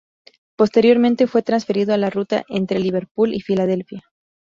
Posteriormente fue transferido a la ruta entre Liverpool y Filadelfia.